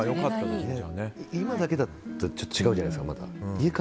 今だけだったらまた違うじゃないですか。